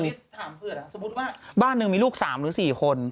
นี่ถามเผื่อนะสมมุติว่าบ้านหนึ่งมีลูก๓หรือ๔คน